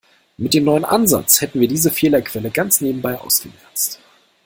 Mit dem neuen Ansatz hätten wir diese Fehlerquelle ganz nebenbei ausgemerzt.